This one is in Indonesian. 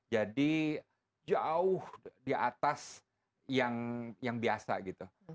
jadi jauh di atas yang biasa gitu